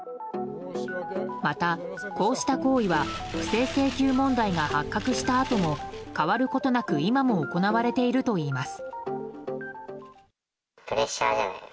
また、こうした行為は不正請求問題が発覚したあとも変わることなく今も行われているといいます。